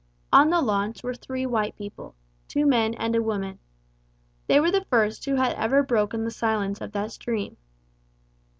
On the launch were three white people two men and a woman. They were the first who had ever broken the silence of that stream.